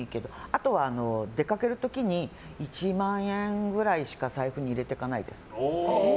あとは出かける時に１万円ぐらいしか財布に入れていかないです。